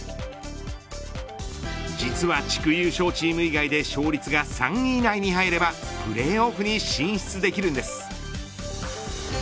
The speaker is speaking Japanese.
実は地区優勝チーム以外で勝率が３位以内に入ればプレーオフに進出できるんです。